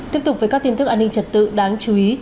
tiếp tục với các tin tức an ninh trật tự đáng chú ý